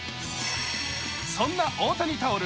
そんな大谷タオル